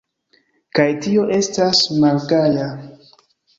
Kaj tio estas malgaja!